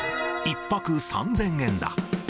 １泊３０００円だ。